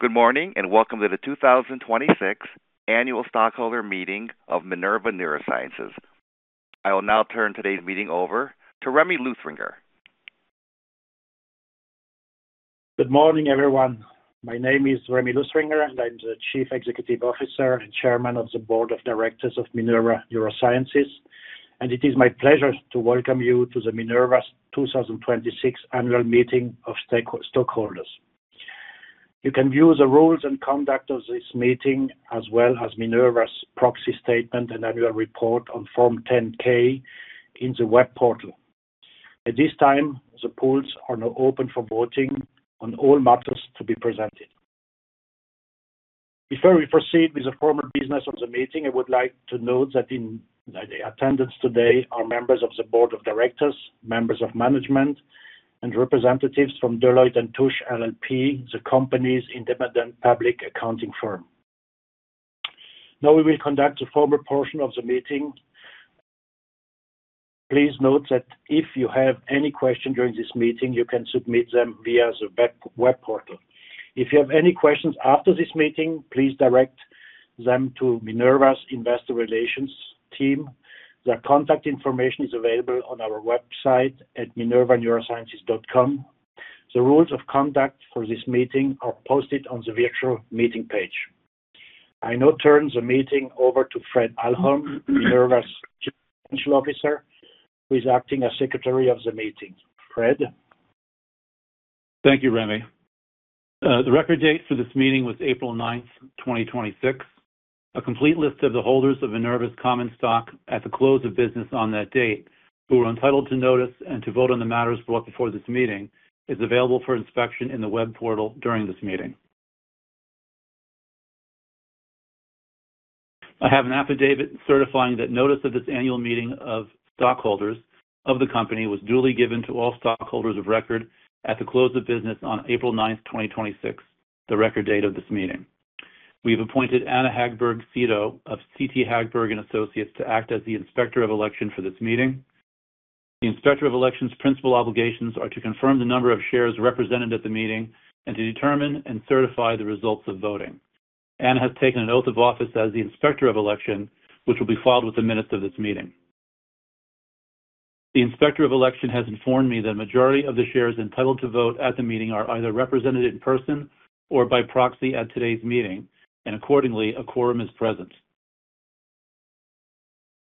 Good morning, and welcome to the 2026 Annual Stockholder Meeting of Minerva Neurosciences. I will now turn today's meeting over to Remy Luthringer. Good morning, everyone. My name is Remy Luthringer, and I'm the Chief Executive Officer and Chairman of the Board of Directors of Minerva Neurosciences, and it is my pleasure to welcome you to the Minerva 2026 annual meeting of stockholders. You can view the rules and conduct of this meeting, as well as Minerva's proxy statement and annual report on Form 10-K in the web portal. At this time, the polls are now open for voting on all matters to be presented. Before we proceed with the formal business of the meeting, I would like to note that in the attendance today are members of the board of directors, members of management, and representatives from Deloitte & Touche LLP, the company's independent public accounting firm. Now we will conduct the formal portion of the meeting. Please note that if you have any questions during this meeting, you can submit them via the web portal. If you have any questions after this meeting, please direct them to Minerva's investor relations team. Their contact information is available on our website at minervaneurosciences.com. The rules of conduct for this meeting are posted on the virtual meeting page. I now turn the meeting over to Fred Ahlholm, Minerva's Chief Financial Officer, who is acting as secretary of the meeting. Fred? Thank you, Remy. The record date for this meeting was April 9th, 2026. A complete list of the holders of Minerva's common stock at the close of business on that date, who are entitled to notice and to vote on the matters brought before this meeting, is available for inspection in the web portal during this meeting. I have an affidavit certifying that notice of this annual meeting of stockholders of the company was duly given to all stockholders of record at the close of business on April 9th, 2026, the record date of this meeting. We have appointed Anna Hagberg-Sido of CT Hagberg and Associates to act as the Inspector of Election for this meeting. The Inspector of Election's principal obligations are to confirm the number of shares represented at the meeting and to determine and certify the results of voting. Anna has taken an oath of office as the Inspector of Election, which will be filed with the minutes of this meeting. The Inspector of Election has informed me that a majority of the shares entitled to vote at the meeting are either represented in person or by proxy at today's meeting. Accordingly, a quorum is present.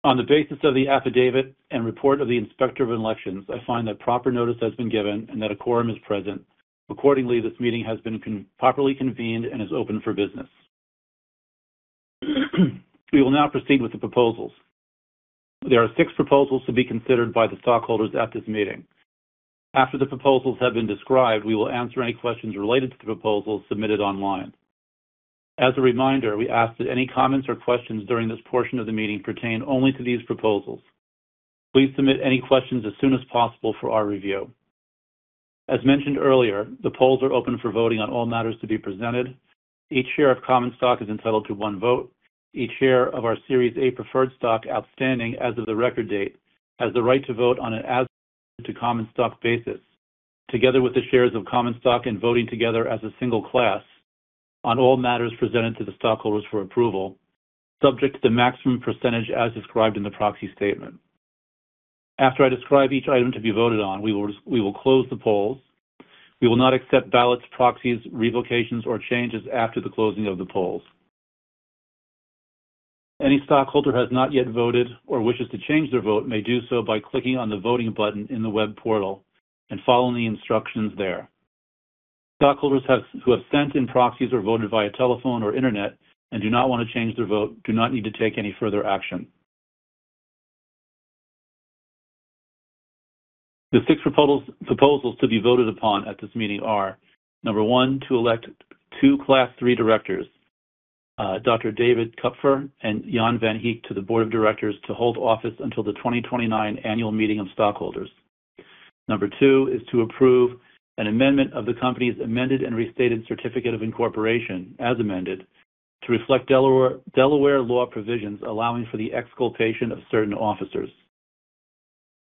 On the basis of the affidavit and report of the Inspector of Election, I find that proper notice has been given and that a quorum is present. Accordingly, this meeting has been properly convened and is open for business. We will now proceed with the proposals. There are six proposals to be considered by the stockholders at this meeting. After the proposals have been described, we will answer any questions related to the proposals submitted online. As a reminder, we ask that any comments or questions during this portion of the meeting pertain only to these proposals. Please submit any questions as soon as possible for our review. As mentioned earlier, the polls are open for voting on all matters to be presented. Each share of common stock is entitled to one vote. Each share of our Series A preferred stock outstanding as of the record date, has the right to vote on an as to common stock basis, together with the shares of common stock and voting together as a single class on all matters presented to the stockholders for approval, subject to the maximum percentage as described in the proxy statement. After I describe each item to be voted on, we will close the polls. We will not accept ballots, proxies, revocations, or changes after the closing of the polls. Any stockholder who has not yet voted or wishes to change their vote may do so by clicking on the voting button in the web portal and following the instructions there. Stockholders who have sent in proxies or voted via telephone or internet and do not want to change their vote do not need to take any further action. The six proposals to be voted upon at this meeting are: number one, to elect two Class III directors, Dr. David Kupfer and Jan van Heek, to the board of directors to hold office until the 2029 annual meeting of stockholders. Number two is to approve an amendment of the company's amended and restated certificate of incorporation, as amended, to reflect Delaware law provisions allowing for the exculpation of certain officers.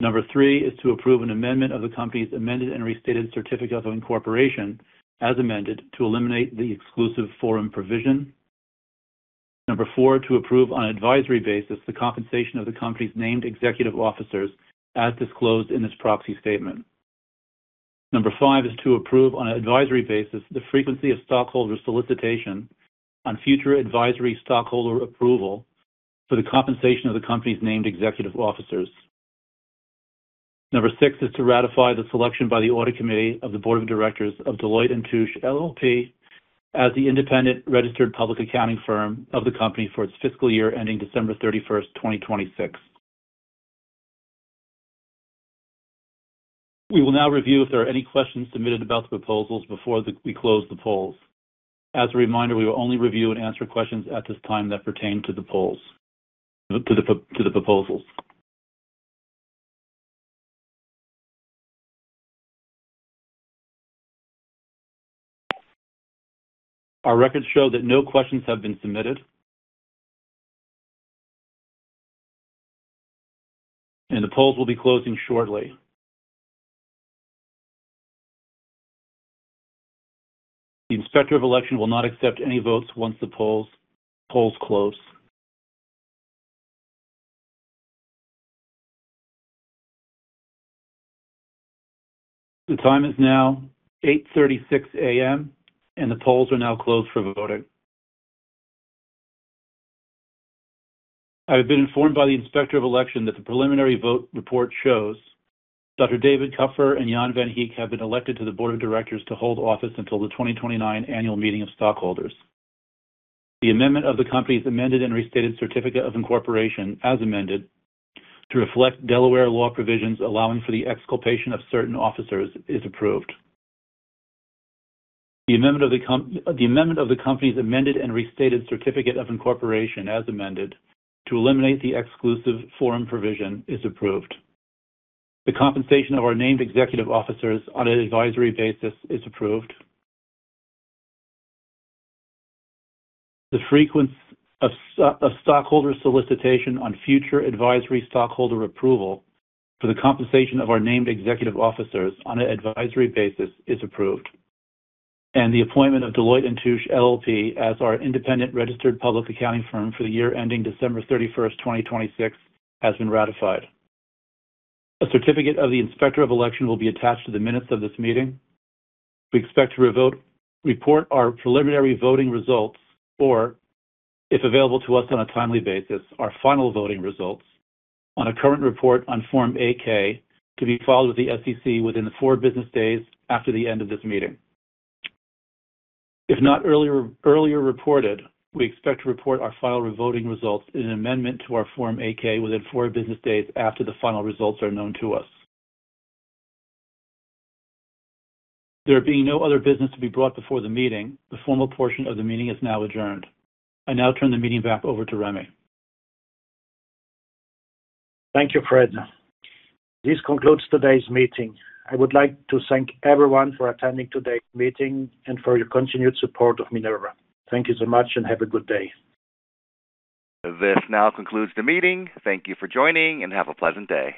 Number three is to approve an amendment of the company's amended and restated certificate of incorporation, as amended, to eliminate the exclusive forum provision. Number four, to approve on an advisory basis the compensation of the company's named executive officers as disclosed in this proxy statement. Number five is to approve on an advisory basis the frequency of stockholder solicitation on future advisory stockholder approval for the compensation of the company's named executive officers. Number six is to ratify the selection by the audit committee of the board of directors of Deloitte & Touche LLP as the independent registered public accounting firm of the company for its fiscal year ending December 31st, 2026. We will now review if there are any questions submitted about the proposals before we close the polls. As a reminder, we will only review and answer questions at this time that pertain to the proposals. Our records show that no questions have been submitted. The polls will be closing shortly. The Inspector of Election will not accept any votes once the polls close. The time is now 8:36 A.M., and the polls are now closed for voting. I have been informed by the Inspector of Election that the preliminary vote report shows Dr. David Kupfer and Jan van Heek have been elected to the board of directors to hold office until the 2029 annual meeting of stockholders. The amendment of the company's amended and restated certificate of incorporation as amended to reflect Delaware law provisions allowing for the exculpation of certain officers is approved. The amendment of the company's amended and restated certificate of incorporation as amended to eliminate the exclusive forum provision is approved. The compensation of our named executive officers on an advisory basis is approved. The frequency of stockholder solicitation on future advisory stockholder approval for the compensation of our named executive officers on an advisory basis is approved. The appointment of Deloitte & Touche LLP as our independent registered public accounting firm for the year ending December 31st, 2026 has been ratified. A certificate of the Inspector of Election will be attached to the minutes of this meeting. We expect to report our preliminary voting results, or if available to us on a timely basis, our final voting results on a current report on Form 8-K to be filed with the SEC within four business days after the end of this meeting. If not earlier reported, we expect to report our final voting results in an amendment to our Form 8-K within four business days after the final results are known to us. There being no other business to be brought before the meeting, the formal portion of the meeting is now adjourned. I now turn the meeting back over to Remy. Thank you, Fred. This concludes today's meeting. I would like to thank everyone for attending today's meeting and for your continued support of Minerva. Thank you so much and have a good day. This now concludes the meeting. Thank you for joining, and have a pleasant day.